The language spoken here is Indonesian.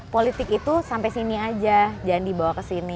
politik itu sampai sini aja jangan dibawa ke sini